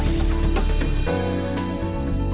agung nugroho direktur utama ptirtyu